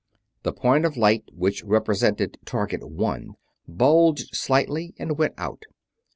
The point of light which represented Target One bulged slightly and went out.